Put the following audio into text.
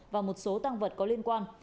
và một số tăng vật có liên quan